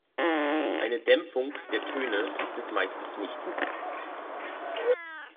Eine Dämpfung der Töne gibt es meistens nicht.